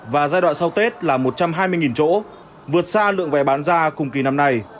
và giai đoạn sau tết là một trăm hai mươi chỗ vượt xa lượng vé bán ra cùng kỳ năm nay